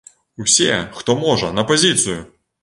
Усе, хто можа, на пазіцыю!